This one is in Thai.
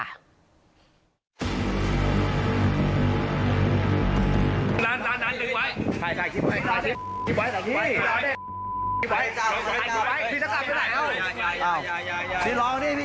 ใครใคร